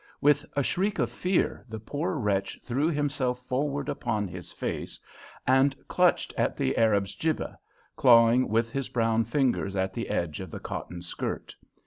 With a shriek of fear the poor wretch threw himself forward upon his face, and clutched at the Arab's jibbeh, clawing with his brown fingers at the edge of the cotton skirt.